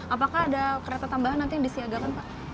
apakah ada kereta tambahan nanti yang disiagakan pak